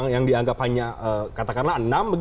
yang dianggap hanya katakanlah enam